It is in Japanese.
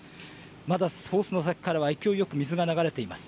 まだホースの先からは勢いよく水が流れています。